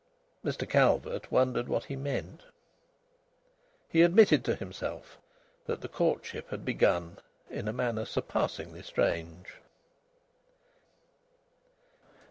Mr Calvert wondered what he meant. He admitted to himself that the courtship had begun in a manner surpassingly strange.